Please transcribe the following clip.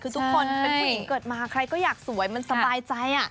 คือทุกคนเป็นผู้หญิงเกิดมาใครก็อยากสวยมันสบายใจ